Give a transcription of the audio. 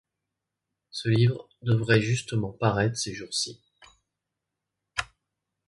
Ce livre devait justement paraître ces jours-ci.